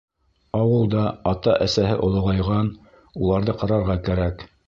Ауылда ата-әсәһе олоғайған, уларҙы ҡарарға кәрәк.